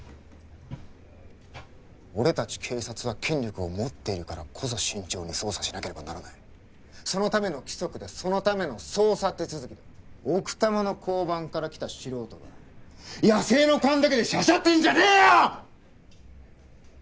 俺達警察は権力を持っているからこそ慎重に捜査しなければならないそのための規則でそのための捜査手続きだ奥多摩の交番から来た素人が野生の勘だけでしゃしゃってんじゃねえよ！